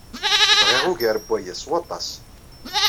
Bɣiɣ ugar n waya s waṭas.